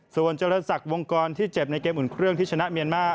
ส่วนเจริญศักดิ์วงกรที่เจ็บในเกมอุ่นเครื่องที่ชนะเมียนมา